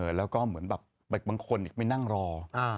เอ่อแล้วก็เหมือนแบบบางคนอีกไม่นั่งรออ่า